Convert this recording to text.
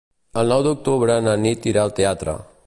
El nou d'octubre na Nit irà al teatre.